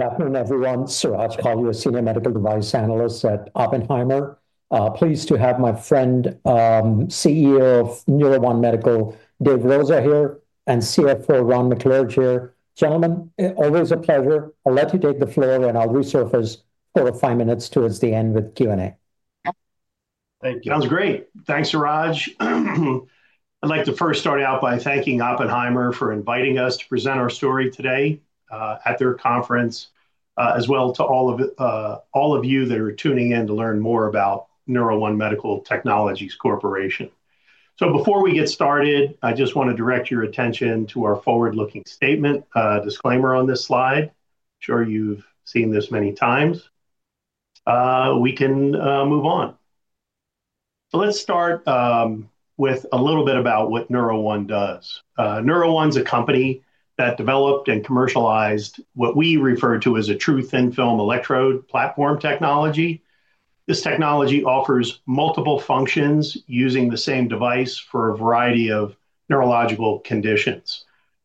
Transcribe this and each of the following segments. Good afternoon, everyone. Suraj Kalia, Senior Medical Device Analyst at Oppenheimer. Pleased to have my friend, CEO of NeuroOne Medical, Dave Rosa, here, and CFO, Ron McClurg, here. Gentlemen, always a pleasure. I'll let you take the floor, and I'll resurface four-five minutes towards the end with Q&A. Thank you. Sounds great. Thanks, Suraj. I'd like to first start out by thanking Oppenheimer for inviting us to present our story today at their conference. As well to all of you that are tuning in to learn more about NeuroOne Medical Technologies Corporation. Before we get started, I just wanna direct your attention to our forward-looking statement disclaimer on this slide. I'm sure you've seen this many times. We can move on. Let's start with a little bit about what NeuroOne does. NeuroOne's a company that developed and commercialized what we refer to as a true thin film electrode platform technology. This technology offers multiple functions using the same device for a variety of neurological conditions.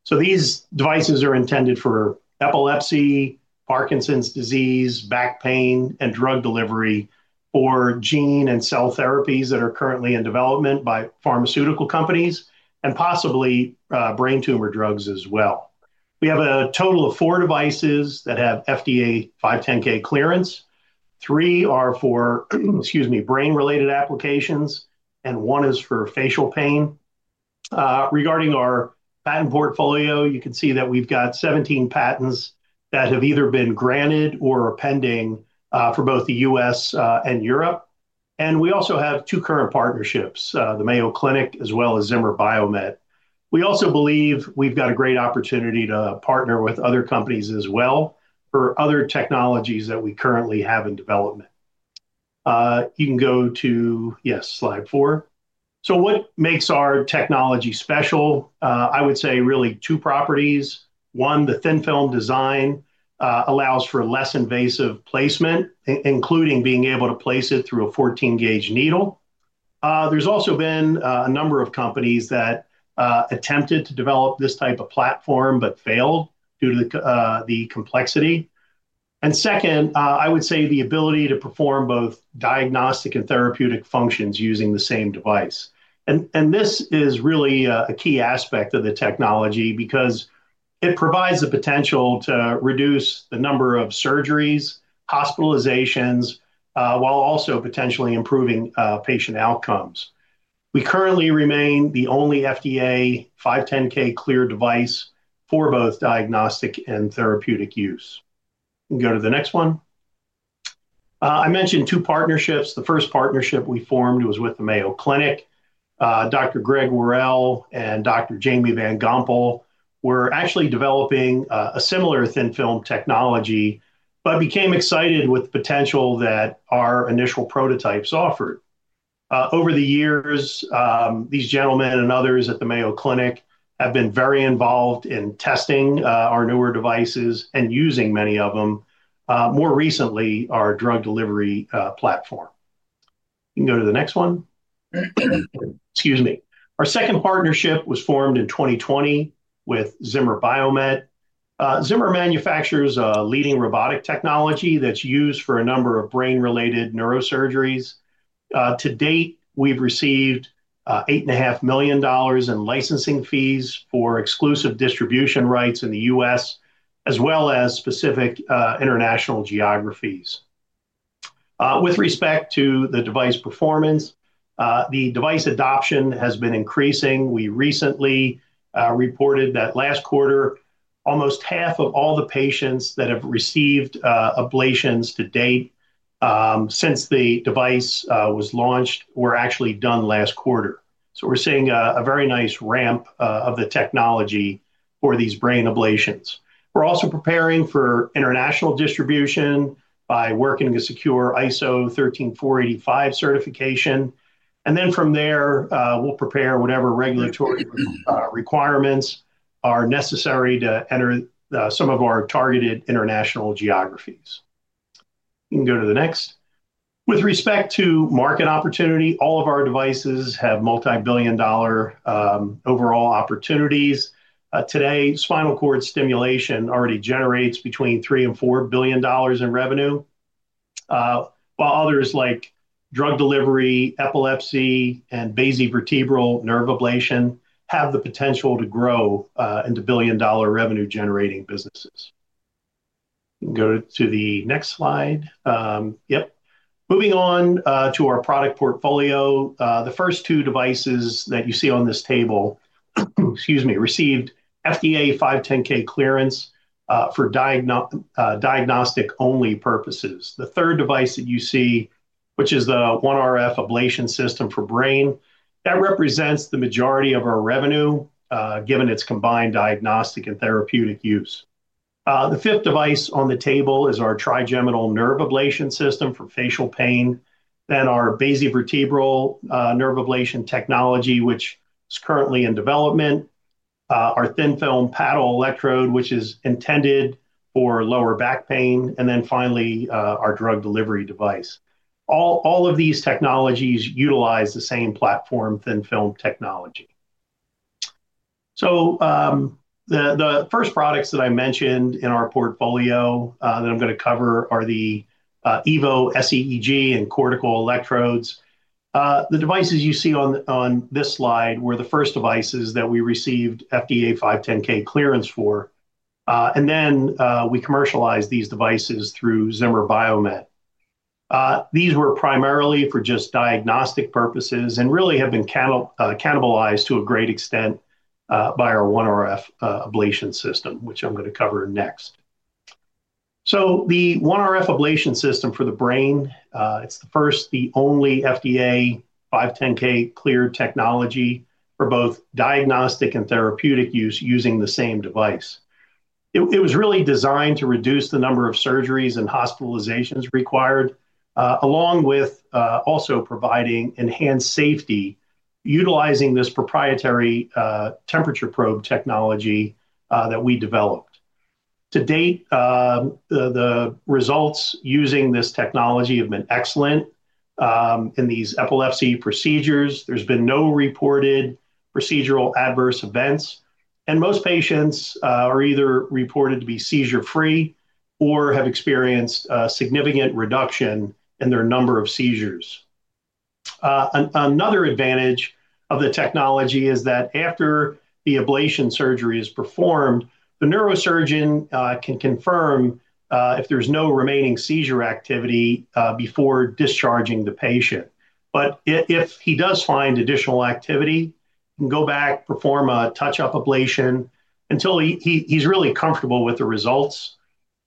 These devices are intended for epilepsy, Parkinson's disease, back pain, and drug delivery for gene and cell therapies that are currently in development by pharmaceutical companies, and possibly brain tumor drugs as well. We have a total of four devices that have FDA 510(k) clearance. Three are for brain-related applications, and one is for facial pain. Regarding our patent portfolio, you can see that we've got 17 patents that have either been granted or are pending for both the U.S. and Europe. We also have two current partnerships, the Mayo Clinic, as well as Zimmer Biomet. We also believe we've got a great opportunity to partner with other companies as well for other technologies that we currently have in development. You can go to slide four. What makes our technology special? I would say really two properties. One, the thin film design allows for less invasive placement, including being able to place it through a 14-gauge needle. There's also been a number of companies that attempted to develop this type of platform but failed due to the complexity. Second, I would say the ability to perform both diagnostic and therapeutic functions using the same device. This is really a key aspect of the technology because it provides the potential to reduce the number of surgeries, hospitalizations, while also potentially improving patient outcomes. We currently remain the only FDA 510(k) cleared device for both diagnostic and therapeutic use. You can go to the next one. I mentioned two partnerships. The first partnership we formed was with the Mayo Clinic. Dr. Greg Worrell and Dr. Jamie Van Gompel were actually developing a similar thin film technology, but became excited with the potential that our initial prototypes offered. Over the years, these gentlemen and others at the Mayo Clinic have been very involved in testing our newer devices and using many of them, more recently, our drug delivery platform. You can go to the next one. Excuse me. Our second partnership was formed in 2020 with Zimmer Biomet. Zimmer manufactures a leading robotic technology that's used for a number of brain-related neurosurgeries. To date, we've received $8.5 million in licensing fees for exclusive distribution rights in the U.S., as well as specific international geographies. With respect to the device performance, the device adoption has been increasing. We recently reported that last quarter, almost half of all the patients that have received ablations to date, since the device was launched, were actually done last quarter. We're seeing a very nice ramp of the technology for these brain ablations. We're also preparing for international distribution by working to secure ISO 13485 certification. From there, we'll prepare whatever regulatory requirements are necessary to enter some of our targeted international geographies. You can go to the next. With respect to market opportunity, all of our devices have multi-billion dollar overall opportunities. Today, spinal cord stimulation already generates between $3 billion and $4 billion in revenue, while others like drug delivery, epilepsy, and basivertebral nerve ablation have the potential to grow into billion-dollar revenue generating businesses. Go to the next slide. Yep. Moving on to our product portfolio, the first two devices that you see on this table, excuse me, received FDA 510(k) clearance for diagnostic-only purposes. The third device that you see, which is the OneRF Ablation System for brain, that represents the majority of our revenue, given its combined diagnostic and therapeutic use. The fifth device on the table is our trigeminal nerve ablation system for facial pain, then our basivertebral nerve ablation technology, which is currently in development, our thin film paddle electrode, which is intended for lower back pain, and then finally, our drug delivery device. All of these technologies utilize the same platform, thin film technology. The first products that I mentioned in our portfolio that I'm gonna cover are the Evo sEEG and cortical electrodes. The devices you see on this slide were the first devices that we received FDA 510(k) clearance for. And then we commercialized these devices through Zimmer Biomet. These were primarily for just diagnostic purposes and really have been cannibalized to a great extent by our OneRF ablation system, which I'm gonna cover next. The OneRF ablation system for the brain is the first, the only FDA 510(k) cleared technology for both diagnostic and therapeutic use using the same device. It was really designed to reduce the number of surgeries and hospitalizations required along with also providing enhanced safety utilizing this proprietary temperature probe technology that we developed. To date, the results using this technology have been excellent. In these epilepsy procedures, there's been no reported procedural adverse events, and most patients are either reported to be seizure-free or have experienced a significant reduction in their number of seizures. Another advantage of the technology is that after the ablation surgery is performed, the neurosurgeon can confirm if there's no remaining seizure activity before discharging the patient. If he does find additional activity, he can go back, perform a touch-up ablation until he's really comfortable with the results.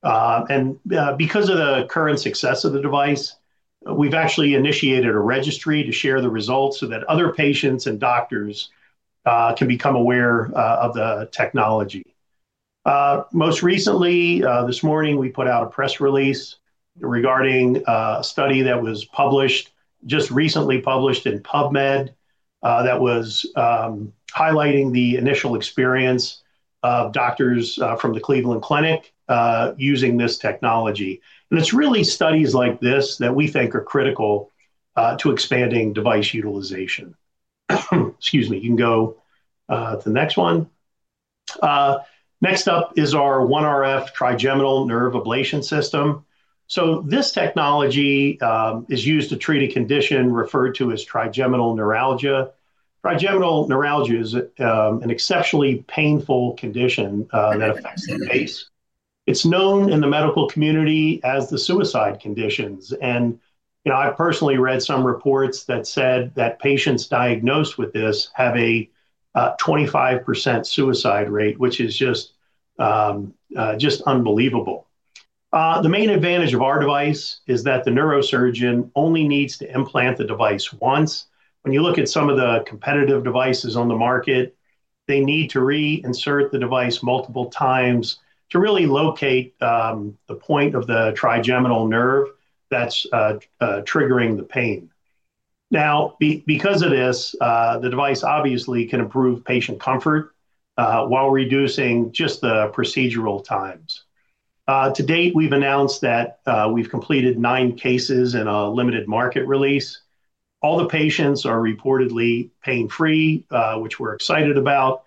Because of the current success of the device, we've actually initiated a registry to share the results so that other patients and doctors can become aware of the technology. Most recently, this morning, we put out a press release regarding a study that was published, just recently published in PubMed, that was highlighting the initial experience of doctors from the Cleveland Clinic using this technology. It's really studies like this that we think are critical to expanding device utilization. Excuse me. You can go to the next one. Next up is our OneRF Trigeminal Nerve Ablation System. This technology is used to treat a condition referred to as trigeminal neuralgia. Trigeminal neuralgia is an exceptionally painful condition that affects the face. It's known in the medical community as the suicide conditions. You know, I personally read some reports that said that patients diagnosed with this have a 25% suicide rate, which is just unbelievable. The main advantage of our device is that the neurosurgeon only needs to implant the device once. When you look at some of the competitive devices on the market, they need to reinsert the device multiple times to really locate the point of the trigeminal nerve that's triggering the pain. Because of this, the device obviously can improve patient comfort while reducing just the procedural times. To date, we've announced that we've completed nine cases in a limited market release. All the patients are reportedly pain-free, which we're excited about.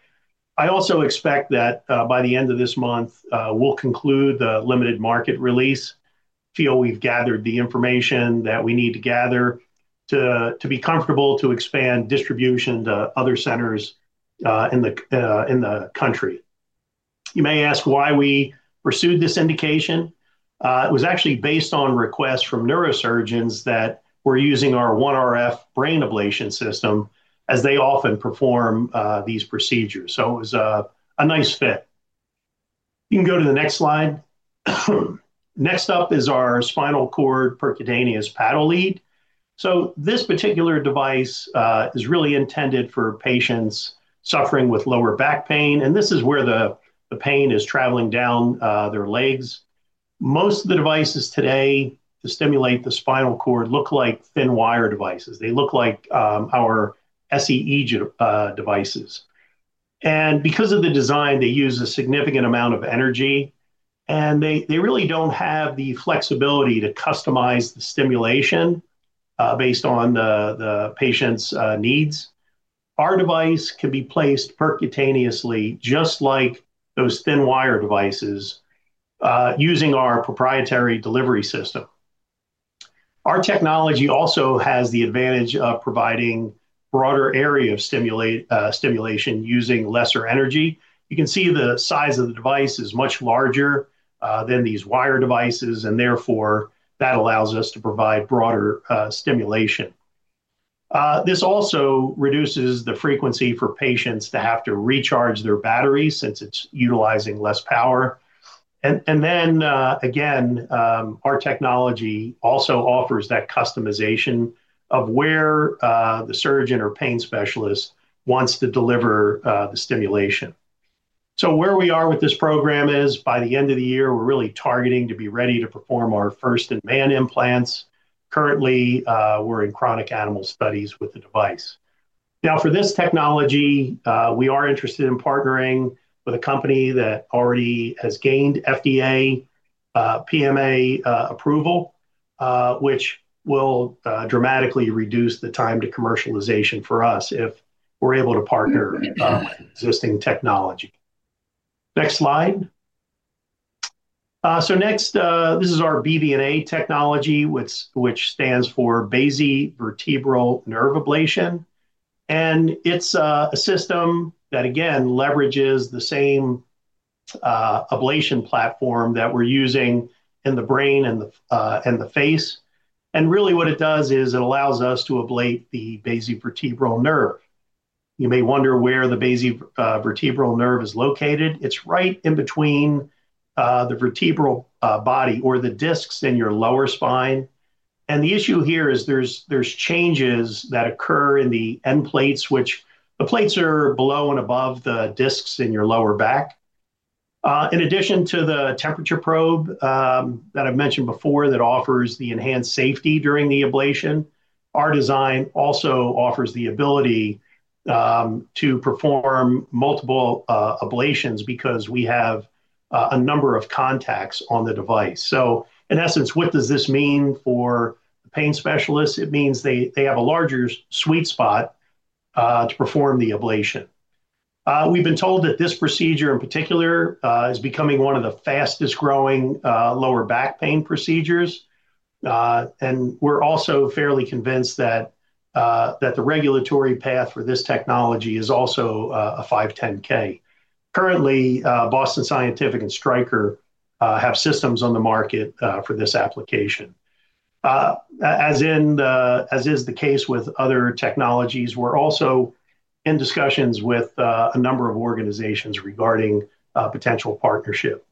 I also expect that by the end of this month, we'll conclude the limited market release, feel we've gathered the information that we need to gather to be comfortable to expand distribution to other centers in the country. You may ask why we pursued this indication. It was actually based on requests from neurosurgeons that were using our OneRF brain ablation system as they often perform these procedures. It was a nice fit. You can go to the next slide. Next up is our spinal cord percutaneous paddle lead. This particular device is really intended for patients suffering with lower back pain, and this is where the pain is traveling down their legs. Most of the devices today to stimulate the spinal cord look like thin wire devices. They look like our sEEG devices. Because of the design, they use a significant amount of energy, and they really don't have the flexibility to customize the stimulation based on the patient's needs. Our device can be placed percutaneously just like those thin wire devices, using our proprietary delivery system. Our technology also has the advantage of providing broader area of stimulation using lesser energy. You can see the size of the device is much larger than these wire devices, and therefore, that allows us to provide broader stimulation. This also reduces the frequency for patients to have to recharge their battery since it's utilizing less power. Then again, our technology also offers that customization of where the surgeon or pain specialist wants to deliver the stimulation. Where we are with this program is by the end of the year, we're really targeting to be ready to perform our first in-man implants. Currently, we're in chronic animal studies with the device. Now for this technology, we are interested in partnering with a company that already has gained FDA, PMA approval, which will dramatically reduce the time to commercialization for us if we're able to partner with existing technology. Next slide. So next, this is our BVNA technology, which stands for basivertebral nerve ablation. It's a system that again leverages the same ablation platform that we're using in the brain and the face. Really what it does is it allows us to ablate the basivertebral nerve. You may wonder where the basivertebral nerve is located. It's right in between the vertebral body or the discs in your lower spine. The issue here is there's changes that occur in the end plates, which the plates are below and above the discs in your lower back. In addition to the temperature probe that I've mentioned before, that offers the enhanced safety during the ablation, our design also offers the ability to perform multiple ablations because we have a number of contacts on the device. In essence, what does this mean for pain specialists? It means they have a larger sweet spot to perform the ablation. We've been told that this procedure in particular is becoming one of the fastest growing lower back pain procedures. We're also fairly convinced that the regulatory path for this technology is also a 510(k). Currently, Boston Scientific and Stryker have systems on the market for this application. As is the case with other technologies, we're also in discussions with a number of organizations regarding potential partnership.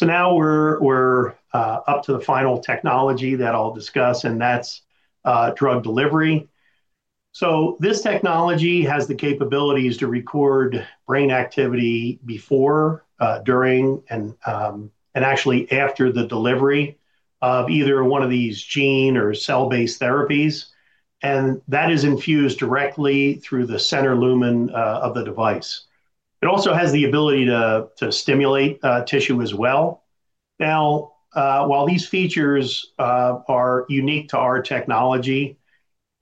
Now we're up to the final technology that I'll discuss, and that's drug delivery. This technology has the capabilities to record brain activity before, during and actually after the delivery of either one of these gene or cell-based therapies. That is infused directly through the center lumen of the device. It also has the ability to stimulate tissue as well. Now, while these features are unique to our technology,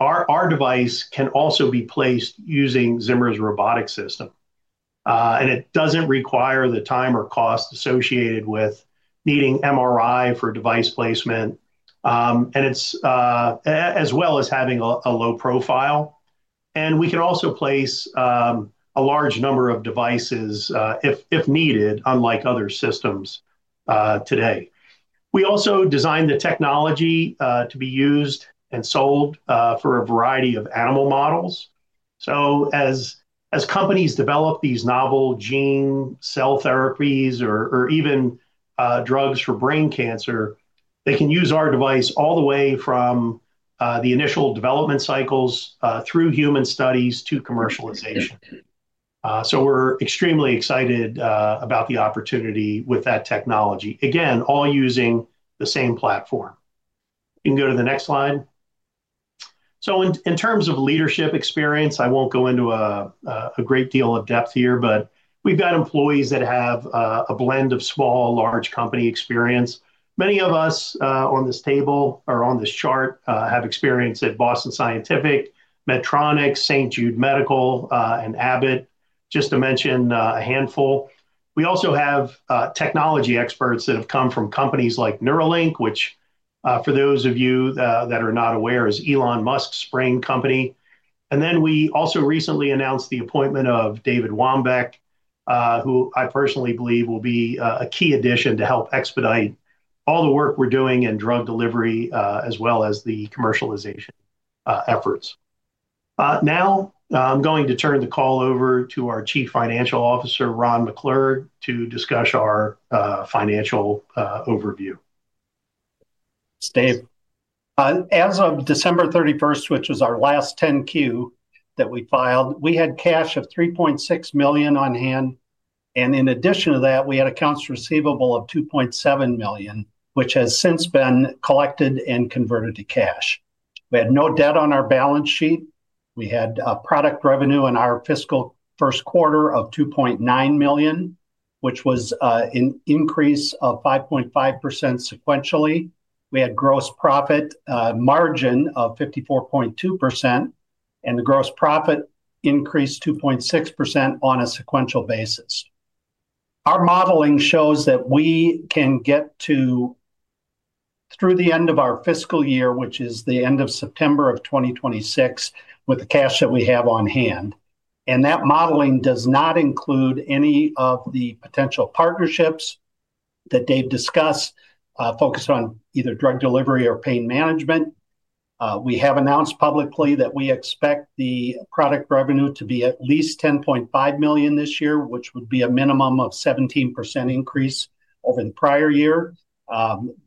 our device can also be placed using Zimmer Biomet's robotic system. It doesn't require the time or cost associated with needing MRI for device placement. It's as well as having a low profile. We can also place a large number of devices if needed, unlike other systems today. We also designed the technology to be used and sold for a variety of animal models. As companies develop these novel gene cell therapies or even drugs for brain cancer, they can use our device all the way from the initial development cycles through human studies to commercialization. We're extremely excited about the opportunity with that technology. Again, all using the same platform. You can go to the next slide. In terms of leadership experience, I won't go into a great deal of depth here, but we've got employees that have a blend of small, large company experience. Many of us on this table or on this chart have experience at Boston Scientific, Medtronic, St. Jude Medical, and Abbott, just to mention a handful. We also have technology experts that have come from companies like Neuralink, which for those of you that are not aware, is Elon Musk's brain company. We also recently announced the appointment of David Wambeke, who I personally believe will be a key addition to help expedite all the work we're doing in drug delivery, as well as the commercialization efforts. Now I'm going to turn the call over to our Chief Financial Officer, Ron McClurg, to discuss our financial overview. Thanks, Dave. As of December 31st, which was our last 10-Q that we filed, we had cash of $3.6 million on hand, and in addition to that, we had accounts receivable of $2.7 million, which has since been collected and converted to cash. We had no debt on our balance sheet. We had product revenue in our fiscal first quarter of $2.9 million, which was an increase of 5.5% sequentially. We had gross profit margin of 54.2%, and the gross profit increased 2.6% on a sequential basis. Our modeling shows that we can get through the end of our fiscal year, which is the end of September of 2026, with the cash that we have on hand. That modeling does not include any of the potential partnerships that Dave discussed, focused on either drug delivery or pain management. We have announced publicly that we expect the product revenue to be at least $10.5 million this year, which would be a minimum of 17% increase over the prior year.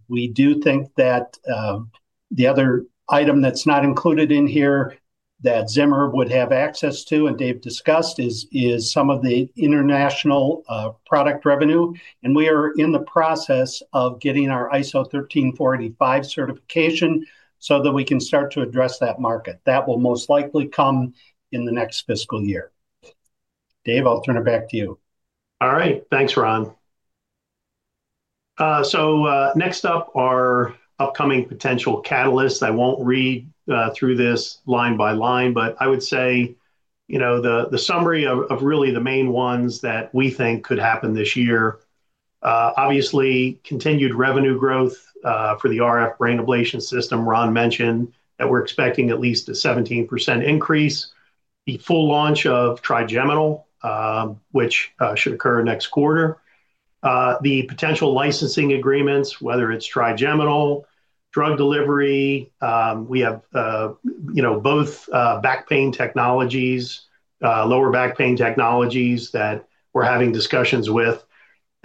We do think that the other item that's not included in here that Zimmer would have access to, and Dave discussed, is some of the international product revenue. We are in the process of getting our ISO 13485 certification so that we can start to address that market. That will most likely come in the next fiscal year. Dave, I'll turn it back to you. All right. Thanks, Ron. Next up, our upcoming potential catalysts. I won't read through this line by line, but I would say, you know, the summary of really the main ones that we think could happen this year, obviously continued revenue growth for the RF brain ablation system. Ron mentioned that we're expecting at least a 17% increase. The full launch of trigeminal, which should occur next quarter. The potential licensing agreements, whether it's trigeminal, drug delivery, we have, you know, both back pain technologies, lower back pain technologies that we're having discussions with.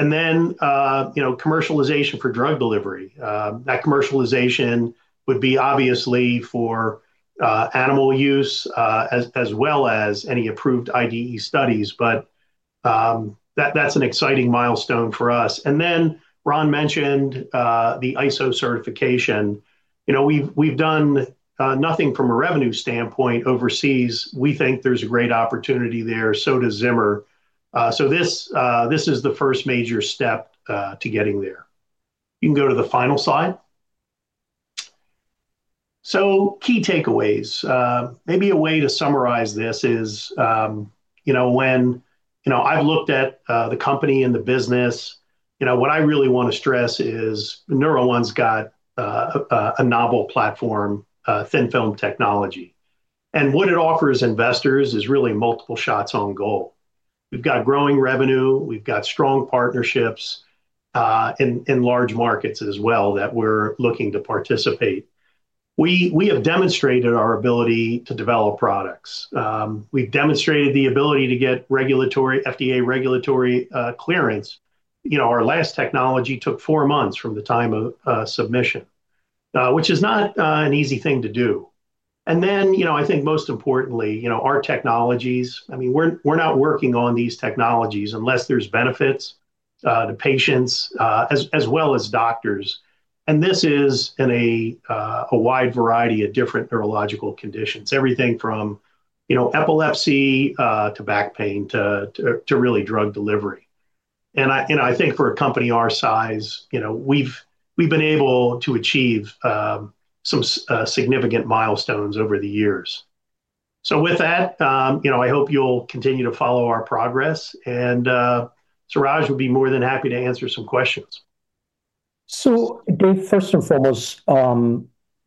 You know, commercialization for drug delivery. That commercialization would be obviously for animal use, as well as any approved IDE studies. That's an exciting milestone for us. Ron mentioned the ISO certification. You know, we've done nothing from a revenue standpoint overseas. We think there's a great opportunity there, so does Zimmer. This is the first major step to getting there. You can go to the final slide. Key takeaways, maybe a way to summarize this is, you know, when, you know, I've looked at the company and the business, you know, what I really wanna stress is NeuroOne's got a novel platform, thin film technology. What it offers investors is really multiple shots on goal. We've got growing revenue, we've got strong partnerships in large markets as well that we're looking to participate. We have demonstrated our ability to develop products. We've demonstrated the ability to get FDA regulatory clearance. You know, our last technology took four months from the time of submission, which is not an easy thing to do. You know, I think most importantly, you know, our technologies, I mean, we're not working on these technologies unless there's benefits to patients as well as doctors. This is in a wide variety of different neurological conditions. Everything from, you know, epilepsy to back pain to really drug delivery. You know, I think for a company our size, you know, we've been able to achieve some significant milestones over the years. With that, you know, I hope you'll continue to follow our progress and Suraj will be more than happy to answer some questions. Dave, first and foremost,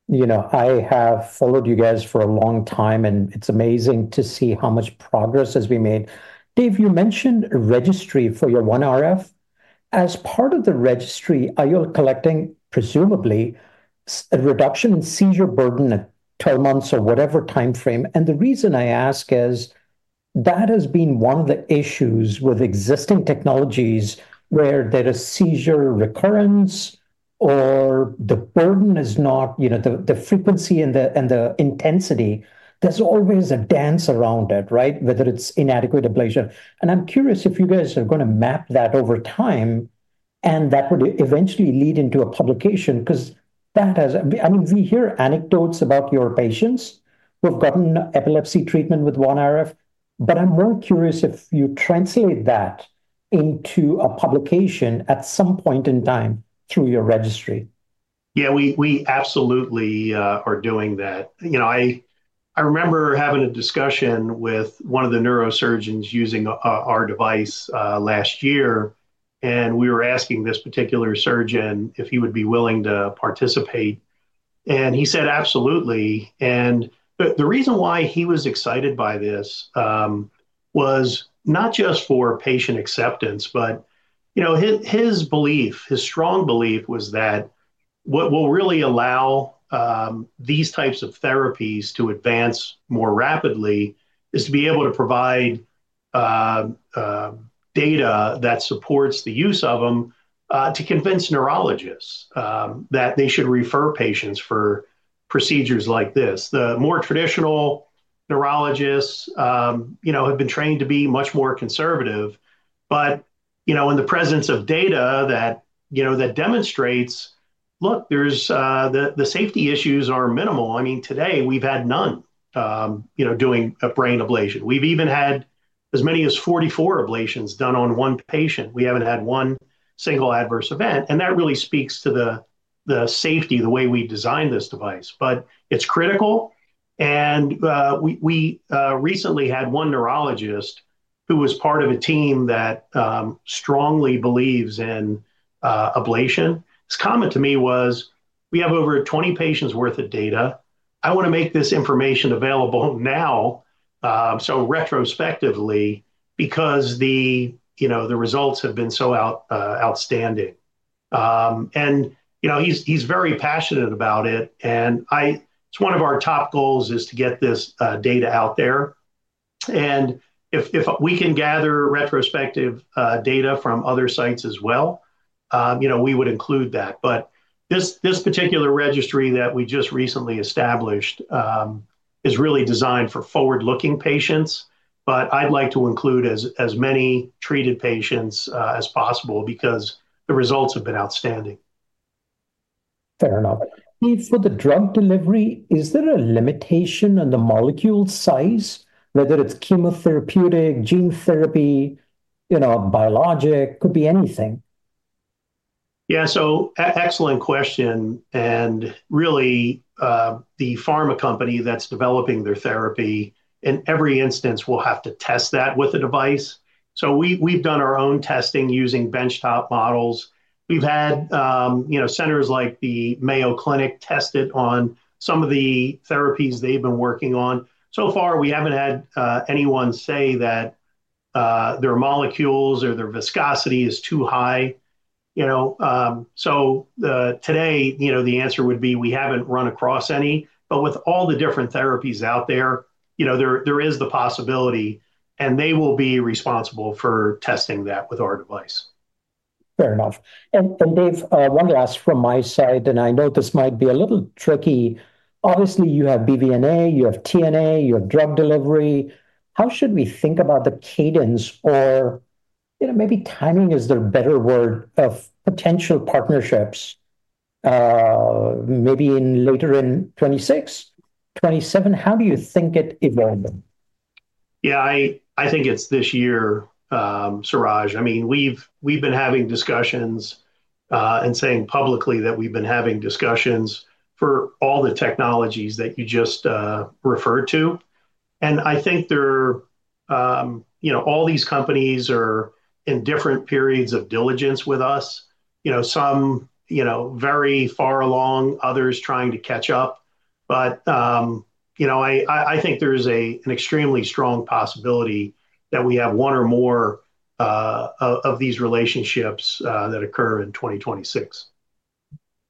you know, I have followed you guys for a long time, and it's amazing to see how much progress has been made. Dave, you mentioned a registry for your OneRF. As part of the registry, are you collecting presumably a reduction in seizure burden at 12 months or whatever timeframe? The reason I ask is that has been one of the issues with existing technologies where there is seizure recurrence or the burden is not, you know, the frequency and the intensity, there's always a dance around it, right? Whether it's inadequate ablation. I'm curious if you guys are gonna map that over time, and that would eventually lead into a publication, 'cause that has. I mean, we hear anecdotes about your patients who have gotten epilepsy treatment with OneRF, but I'm more curious if you translate that into a publication at some point in time through your registry? Yeah. We absolutely are doing that. You know, I remember having a discussion with one of the neurosurgeons using our device last year, and we were asking this particular surgeon if he would be willing to participate, and he said, absolutely. The reason why he was excited by this was not just for patient acceptance, but, you know, his belief, his strong belief was that what will really allow these types of therapies to advance more rapidly is to be able to provide data that supports the use of them to convince neurologists that they should refer patients for procedures like this. The more traditional neurologists, you know, have been trained to be much more conservative. You know, in the presence of data that you know that demonstrates, look, there's the safety issues are minimal. I mean, today we've had none doing a brain ablation. We've even had as many as 44 ablations done on one patient. We haven't had one single adverse event, and that really speaks to the safety, the way we designed this device. It's critical, and we recently had one neurologist who was part of a team that strongly believes in ablation. His comment to me was, "We have over 20 patients worth of data. I wanna make this information available now, so retrospectively because, you know, the results have been so outstanding. You know, he's very passionate about it, and it's one of our top goals is to get this data out there. If we can gather retrospective data from other sites as well, you know, we would include that. This particular registry that we just recently established is really designed for forward-looking patients, but I'd like to include as many treated patients as possible because the results have been outstanding. Fair enough. Dave, for the drug delivery, is there a limitation on the molecule size, whether it's chemotherapeutic, gene therapy, you know, biologic? Could be anything. Yeah. Excellent question. Really, the pharma company that's developing their therapy in every instance will have to test that with the device. We've done our own testing using benchtop models. We've had you know centers like the Mayo Clinic test it on some of the therapies they've been working on. So far, we haven't had anyone say that their molecules or their viscosity is too high, you know. Today, you know, the answer would be we haven't run across any. With all the different therapies out there, you know, there is the possibility, and they will be responsible for testing that with our device. Fair enough. Dave, one last from my side, and I know this might be a little tricky. Obviously, you have BVNA, you have TNA, you have drug delivery. How should we think about the cadence or, you know, maybe timing is the better word, of potential partnerships, maybe later in 2026, 2027? How do you think it evolving? Yeah. I think it's this year, Suraj. I mean, we've been having discussions and saying publicly that we've been having discussions for all the technologies that you just referred to, and I think they're. You know, all these companies are in different periods of diligence with us. You know, some very far along, others trying to catch up. I think there's an extremely strong possibility that we have one or more of these relationships that occur in 2026.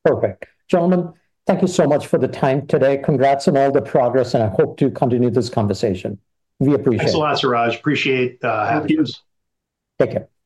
Perfect. Gentlemen, thank you so much for the time today. Congrats on all the progress, and I hope to continue this conversation. We appreciate it. Thanks a lot, Suraj. Appreciate, having you. Thanks. Take care. Bye.